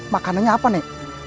makanannya apa nek